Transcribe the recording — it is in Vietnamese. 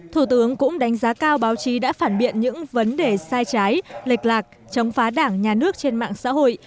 thủ tướng cũng đánh giá cao báo chí đã phản biện những vấn đề sai trái lệch lạc chống phá đảng nhà nước trên mạng xã hội